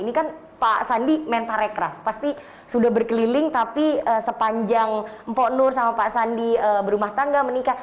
ini kan pak sandi men parekraf pasti sudah berkeliling tapi sepanjang mpok nur sama pak sandi berumah tangga menikah